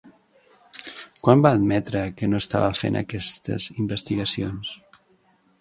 Quan va admetre que no estava fent aquestes investigacions?